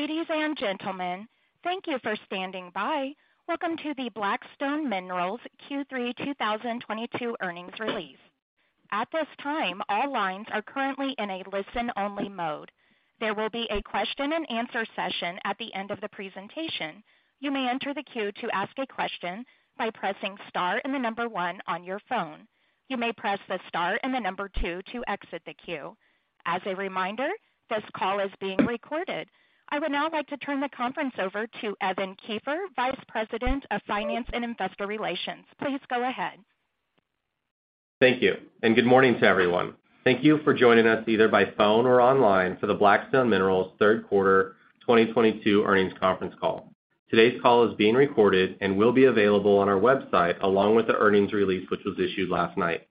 Ladies and gentlemen, thank you for standing by. Welcome to the Black Stone Minerals Q3 2022 Earnings Release. At this time, all lines are currently in a listen-only mode. There will be a question-and-answer session at the end of the presentation. You may enter the queue to ask a question by pressing star and the number one on your phone. You may press the star and the number two to exit the queue. As a reminder, this call is being recorded. I would now like to turn the conference over to Evan Kiefer, Vice President of Finance and Investor Relations. Please go ahead. Thank you, and good morning to everyone. Thank you for joining us, either by phone or online, for the Black Stone Minerals Third Quarter 2022 Earnings Conference Call. Today's call is being recorded and will be available on our website, along with the earnings release, which was issued last night.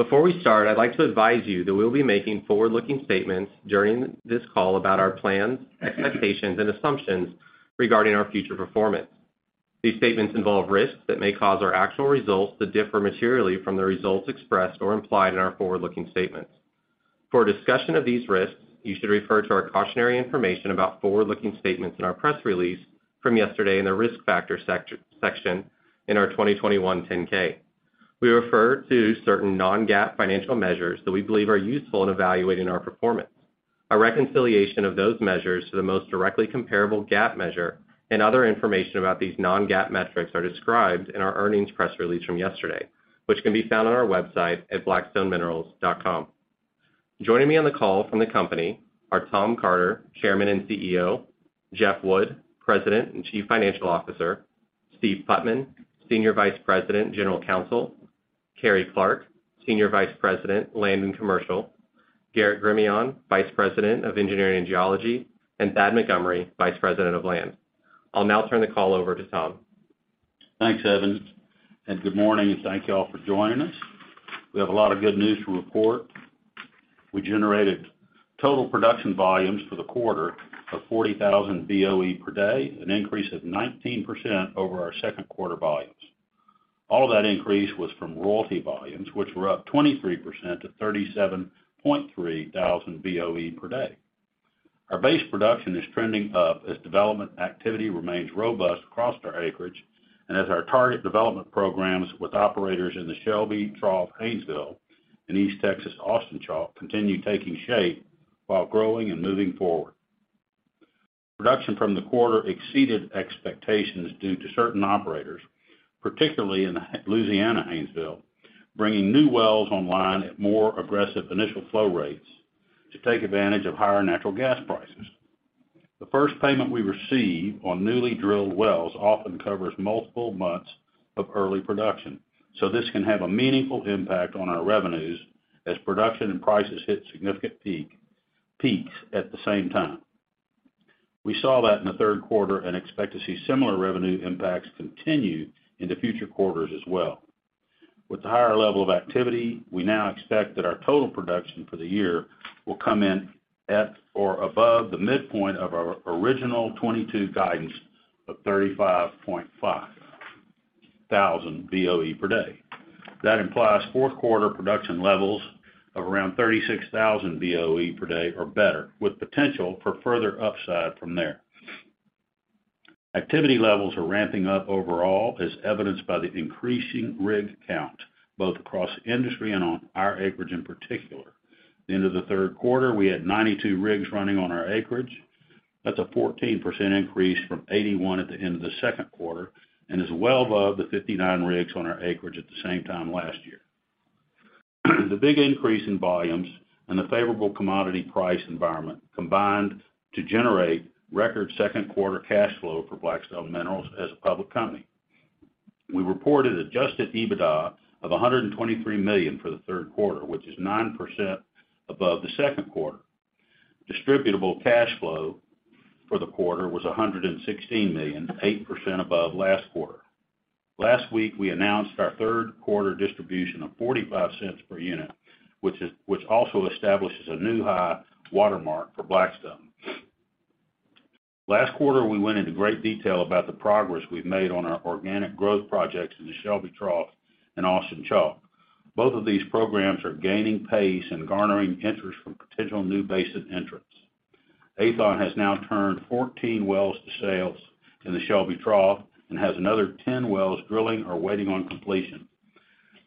Before we start, I'd like to advise you that we'll be making forward-looking statements during this call about our plans, expectations, and assumptions regarding our future performance. These statements involve risks that may cause our actual results to differ materially from the results expressed or implied in our forward-looking statements. For a discussion of these risks, you should refer to our cautionary information about forward-looking statements in our press release from yesterday in the Risk Factors section in our 2021 10-K. We refer to certain non-GAAP financial measures that we believe are useful in evaluating our performance. A reconciliation of those measures to the most directly comparable GAAP measure and other information about these non-GAAP metrics are described in our earnings press release from yesterday, which can be found on our website at blackstoneminerals.com. Joining me on the call from the company are Tom Carter, Chairman and CEO, Jeff Wood, President and Chief Financial Officer, Steve Putman, Senior Vice President, General Counsel, Carrie Clark, Senior Vice President, Land and Commercial, Garrett Gremillion, Vice President of Engineering and Geology, and Thad Montgomery, Vice President of Land. I'll now turn the call over to Tom. Thanks, Evan, and good morning, and thank you all for joining us. We have a lot of good news to report. We generated total production volumes for the quarter of 40,000 BOE per day, an increase of 19% over our second quarter volumes. All of that increase was from royalty volumes, which were up 23% to 37,300 BOE per day. Our base production is trending up as development activity remains robust across our acreage and as our target development programs with operators in the Shelby Trough Haynesville and East Texas Austin Chalk continue taking shape while growing and moving forward. Production from the quarter exceeded expectations due to certain operators, particularly in the Louisiana Haynesville, bringing new wells online at more aggressive initial flow rates to take advantage of higher natural gas prices. The first payment we receive on newly drilled wells often covers multiple months of early production, so this can have a meaningful impact on our revenues as production and prices hit significant peaks at the same time. We saw that in the third quarter and expect to see similar revenue impacts continue into future quarters as well. With the higher level of activity, we now expect that our total production for the year will come in at or above the midpoint of our original 2022 guidance of 35,500 BOE per day. That implies fourth quarter production levels of around 36,000 BOE per day or better, with potential for further upside from there. Activity levels are ramping up overall, as evidenced by the increasing rig count, both across industry and on our acreage in particular. At the end of the third quarter, we had 92 rigs running on our acreage. That's a 14% increase from 81 at the end of the second quarter and is well above the 59 rigs on our acreage at the same time last year. The big increase in volumes and the favorable commodity price environment combined to generate record second quarter cash flow for Black Stone Minerals as a public company. We reported Adjusted EBITDA of $123 million for the third quarter, which is 9% above the second quarter. Distributable Cash Flow for the quarter was $116 million, 8% above last quarter. Last week, we announced our third-quarter distribution of $0.45 per unit, which also establishes a new high watermark for Black Stone Minerals. Last quarter, we went into great detail about the progress we've made on our organic growth projects in the Shelby Trough and Austin Chalk. Both of these programs are gaining pace and garnering interest from potential new basin entrants. Aethon has now turned 14 wells to sales in the Shelby Trough and has another 10 wells drilling or waiting on completion.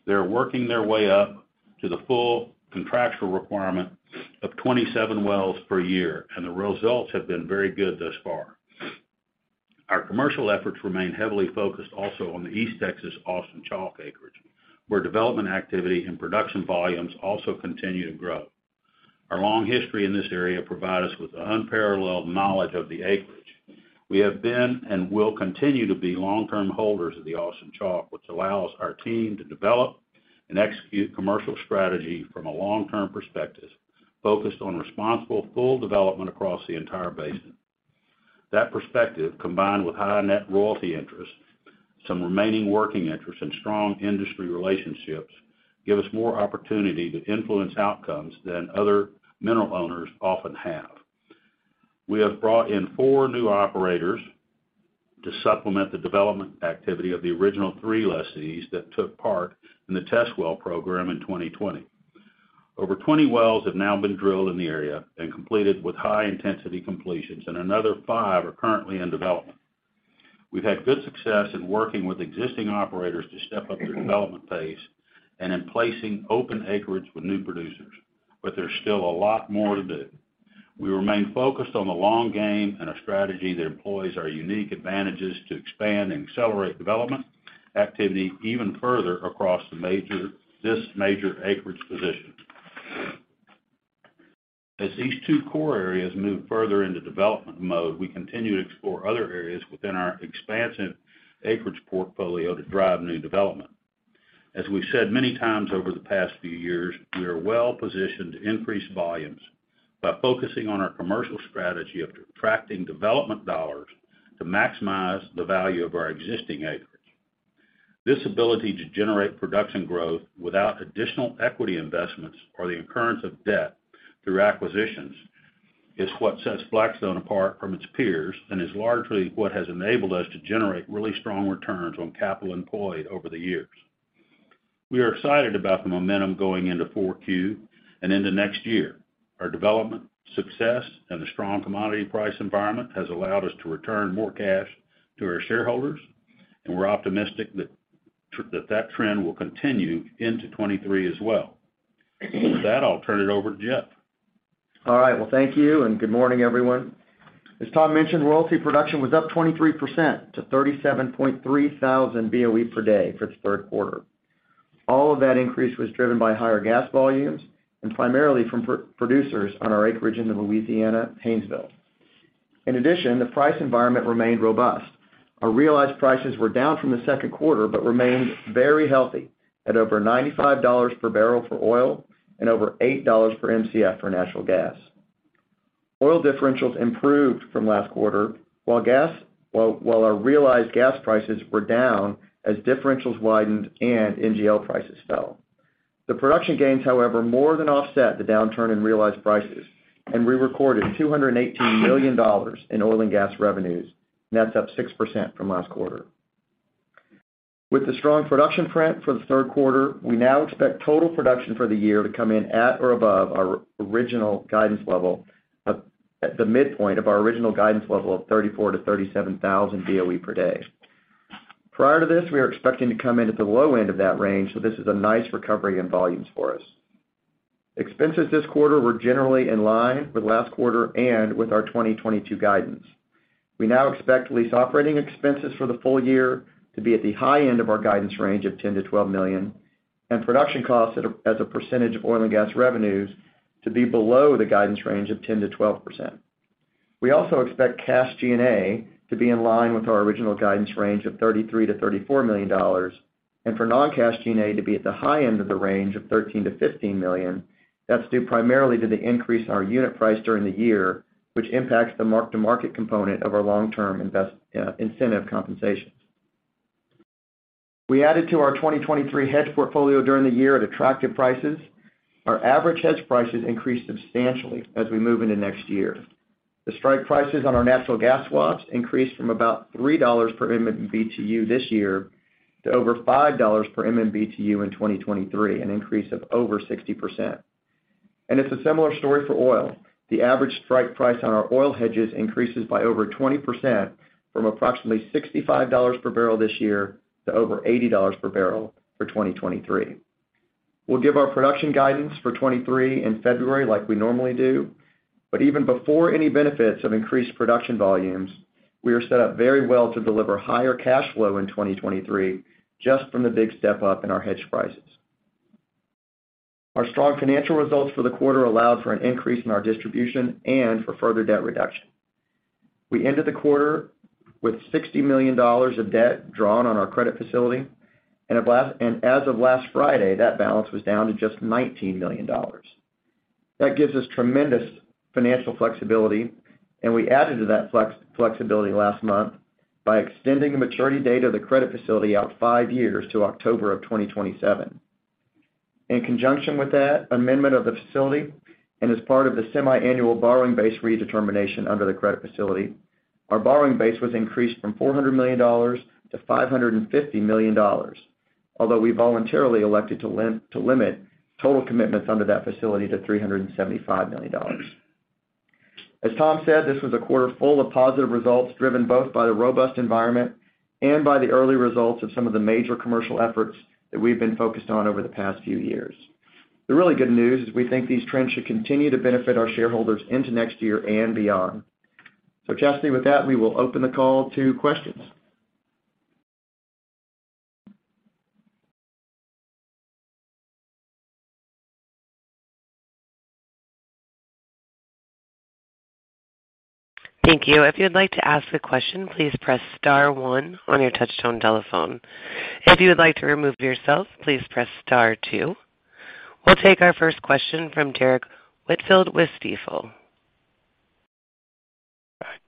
They're working their way up to the full contractual requirement of 27 wells per year, and the results have been very good thus far. Our commercial efforts remain heavily focused also on the East Texas Austin Chalk acreage, where development activity and production volumes also continue to grow. Our long history in this area provide us with an unparalleled knowledge of the acreage. We have been and will continue to be long-term holders of the Austin Chalk, which allows our team to develop and execute commercial strategy from a long-term perspective focused on responsible full development across the entire basin. That perspective, combined with high net royalty interest, some remaining working interest, and strong industry relationships, give us more opportunity to influence outcomes than other mineral owners often have. We have brought in four new operators to supplement the development activity of the original three lessees that took part in the test well program in 2020. Over 20 wells have now been drilled in the area and completed with high-intensity completions, and another five are currently in development. We've had good success in working with existing operators to step up their development pace and in placing open acreage with new producers, but there's still a lot more to do. We remain focused on the long game and a strategy that employs our unique advantages to expand and accelerate development activity even further across this major acreage position. As these two core areas move further into development mode, we continue to explore other areas within our expansive acreage portfolio to drive new development. As we've said many times over the past few years, we are well-positioned to increase volumes by focusing on our commercial strategy of attracting development dollars to maximize the value of our existing acreage. This ability to generate production growth without additional equity investments or the occurrence of debt through acquisitions is what sets Black Stone Minerals apart from its peers and is largely what has enabled us to generate really strong returns on capital employed over the years. We are excited about the momentum going into Q4 and into next year. Our development success and the strong commodity price environment has allowed us to return more cash to our shareholders, and we're optimistic that that trend will continue into 2023 as well. With that, I'll turn it over to Jeff. All right. Well, thank you, and good morning, everyone. As Tom mentioned, royalty production was up 23% to 37,300 BOE per day for the third quarter. All of that increase was driven by higher gas volumes and primarily from producers on our acreage in the Louisiana Haynesville. In addition, the price environment remained robust. Our realized prices were down from the second quarter, but remained very healthy at over $95 per barrel for oil and over $8 per Mcf for natural gas. Oil differentials improved from last quarter, while our realized gas prices were down as differentials widened and NGL prices fell. The production gains, however, more than offset the downturn in realized prices, and we recorded $218 million in oil and gas revenues. That's up 6% from last quarter. With the strong production trend for the third quarter, we now expect total production for the year to come in at or above our original guidance level at the midpoint of our original guidance level of 34,000-37,000 BOE per day. Prior to this, we were expecting to come in at the low end of that range, so this is a nice recovery in volumes for us. Expenses this quarter were generally in line with last quarter and with our 2022 guidance. We now expect lease operating expenses for the full year to be at the high end of our guidance range of $10 million-$12 million, and production costs as a percentage of oil and gas revenues to be below the guidance range of 10%-12%. We also expect cash G&A to be in line with our original guidance range of $33 million-$34 million, and for non-cash G&A to be at the high end of the range of $13 million-$15 million. That's due primarily to the increase in our unit price during the year, which impacts the mark-to-market component of our long-term incentive compensations. We added to our 2023 hedge portfolio during the year at attractive prices. Our average hedge prices increased substantially as we move into next year. The strike prices on our natural gas swaps increased from about $3 per MMBtu this year to over $5 per MMBtu in 2023, an increase of over 60%. It's a similar story for oil. The average strike price on our oil hedges increases by over 20% from approximately $65 per barrel this year to over $80 per barrel for 2023. We'll give our production guidance for 2023 in February like we normally do, but even before any benefits of increased production volumes, we are set up very well to deliver higher cash flow in 2023 just from the big step-up in our hedge prices. Our strong financial results for the quarter allowed for an increase in our distribution and for further debt reduction. We ended the quarter with $60 million of debt drawn on our credit facility, and as of last Friday, that balance was down to just $19 million. That gives us tremendous financial flexibility, and we added to that flexibility last month by extending the maturity date of the credit facility out five years to October of 2027. In conjunction with that amendment of the facility and as part of the semiannual borrowing base redetermination under the credit facility, our borrowing base was increased from $400 million-$550 million, although we voluntarily elected to limit total commitments under that facility to $375 million. As Tom said, this was a quarter full of positive results, driven both by the robust environment and by the early results of some of the major commercial efforts that we've been focused on over the past few years. The really good news is we think these trends should continue to benefit our shareholders into next year and beyond. Chastity, with that, we will open the call to questions. Thank you. If you'd like to ask a question, please press star one on your touch-tone telephone. If you would like to remove yourself, please press star two. We'll take our first question from Derrick Whitfield with Stifel.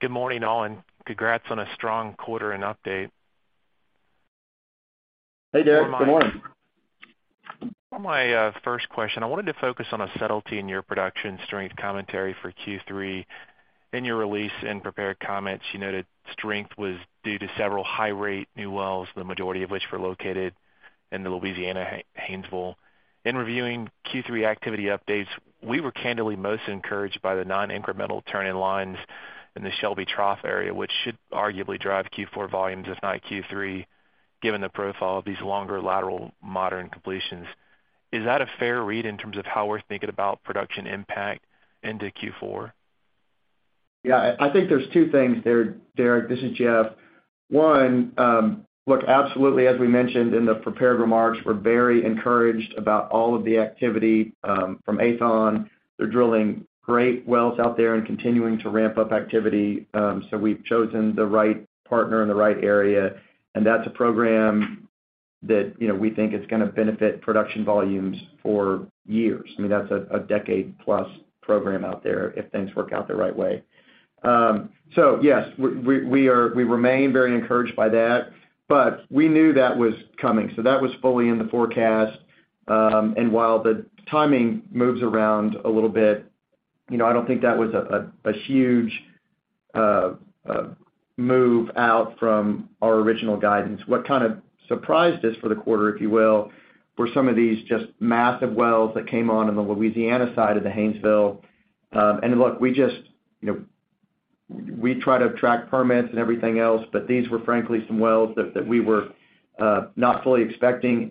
Good morning, all, and congrats on a strong quarter and update. Hey, Derrick. Good morning. For my first question, I wanted to focus on a subtlety in your production strength commentary for Q3. In your release and prepared comments, you noted strength was due to several high-rate new wells, the majority of which were located in the Louisiana Haynesville. In reviewing Q3 activity updates, we were candidly most encouraged by the incremental turn-in-lines in the Shelby Trough area, which should arguably drive Q4 volumes, if not Q3, given the profile of these longer lateral modern completions. Is that a fair read in terms of how we're thinking about production impact into Q4? Yeah, I think there's two things there, Derek. This is Jeff. One, look, absolutely, as we mentioned in the prepared remarks, we're very encouraged about all of the activity from Aethon. They're drilling great wells out there and continuing to ramp up activity. We've chosen the right partner in the right area, and that's a program that, you know, we think is gonna benefit production volumes for years. I mean, that's a decade-plus program out there if things work out the right way. Yes, we remain very encouraged by that, but we knew that was coming, so that was fully in the forecast. While the timing moves around a little bit, you know, I don't think that was a huge move out from our original guidance. What kind of surprised us for the quarter, if you will, were some of these just massive wells that came on in the Louisiana side of the Haynesville. Look, we just, you know, try to track permits and everything else, but these were frankly some wells that we were not fully expecting.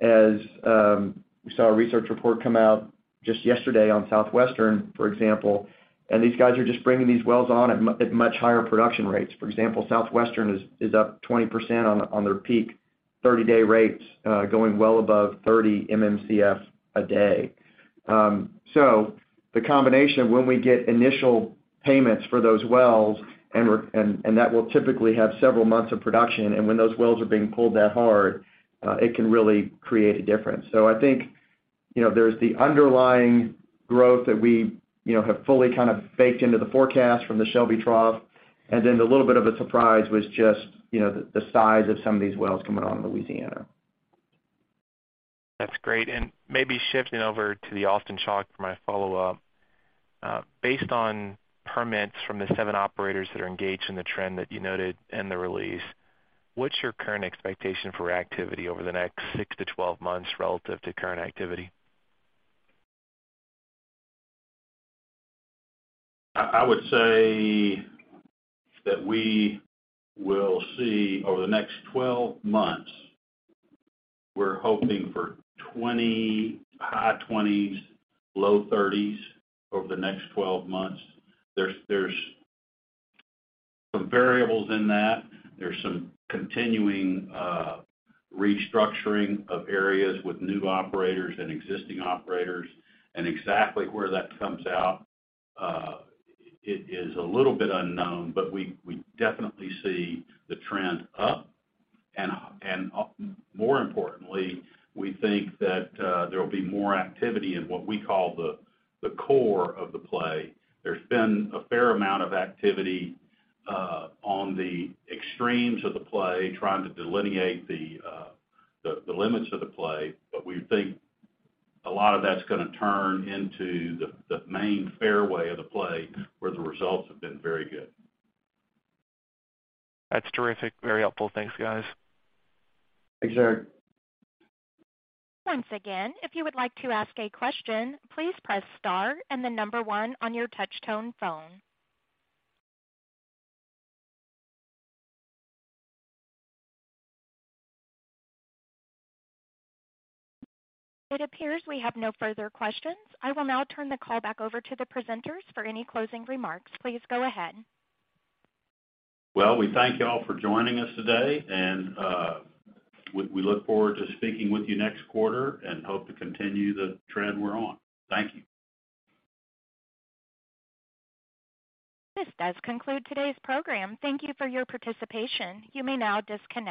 We saw a research report come out just yesterday on Southwestern, for example, and these guys are just bringing these wells on at much higher production rates. For example, Southwestern is up 20% on their peak 30-day rates, going well above 30 MMcf a day. The combination of when we get initial payments for those wells and that will typically have several months of production, and when those wells are being pulled that hard, it can really create a difference. I think, you know, there's the underlying growth that we, you know, have fully kind of baked into the forecast from the Shelby Trough, and then the little bit of a surprise was just, you know, the size of some of these wells coming out of Louisiana. That's great. Maybe shifting over to the Austin Chalk for my follow-up. Based on permits from the 7 operators that are engaged in the trend that you noted in the release, what's your current expectation for activity over the next 6-12 months relative to current activity? I would say that we will see over the next 12 months, we're hoping for 20, high 20s, low 30s over the next 12 months. There's some variables in that. There's some continuing restructuring of areas with new operators and existing operators, and exactly where that comes out, it is a little bit unknown, but we definitely see the trend up. More importantly, we think that there will be more activity in what we call the core of the play. There's been a fair amount of activity on the extremes of the play, trying to delineate the limits of the play, but we think a lot of that's gonna turn into the main fairway of the play, where the results have been very good. That's terrific. Very helpful. Thanks, guys. Thanks, Derrick. Once again, if you would like to ask a question, please press star and the number one on your touch tone phone. It appears we have no further questions. I will now turn the call back over to the presenters for any closing remarks. Please go ahead. Well, we thank you all for joining us today, and we look forward to speaking with you next quarter and hope to continue the trend we're on. Thank you. This does conclude today's program. Thank you for your participation. You may now disconnect.